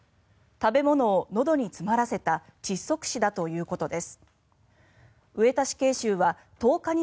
食べ物をのどに詰まらせた窒息死だということです。